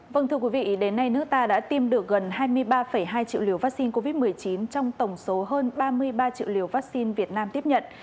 vâng thưa quý vị đến nay nước ta đã tiêm được gần hai mươi ba hai triệu liều vaccine covid một mươi chín trong tổng số hơn ba mươi ba triệu liều vaccine việt nam tiếp nhận